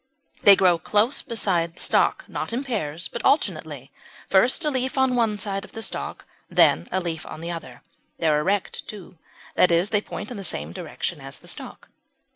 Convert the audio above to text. They grow close against the stalk, not in pairs, but alternately, first a leaf on one side of the stalk, then a leaf on the other. They are erect too; that is, they point in the same direction as the stalk.